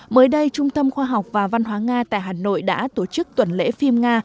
mới đây trung tâm khoa học và văn hóa nga tại hà nội đã tổ chức tuần lễ phim nga